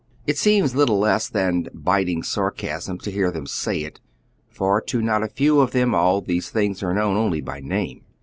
It seems little less than biting sarcasm to hear them say it, for to not a few of them all these things are known only by name.